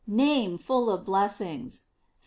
Name full of blessings. St.